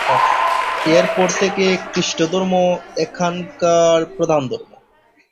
এর পর থেকে খ্রিস্টধর্ম এখানকার প্রধান ধর্ম।